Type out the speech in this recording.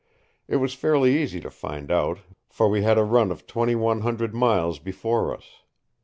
It was fairly easy to find out, for we had a run of twenty one hundred miles before us.